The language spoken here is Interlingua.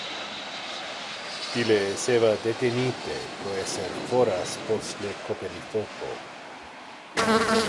Ille esseva detenite pro esser foras post le coperifoco.